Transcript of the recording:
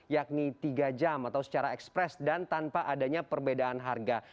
yakni tiga jam atau secara ekspres dan tanpa adanya perbedaan harga